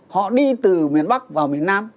họ đi từ miền bắc vào miền nam